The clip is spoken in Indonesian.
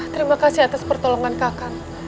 terima kasih atas pertolongan kakak